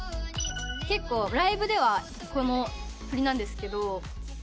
結構ライブではこの振りなんですけど。